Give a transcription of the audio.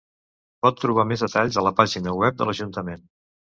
Pot trobar més detalls a la pàgina web de l'Ajuntament.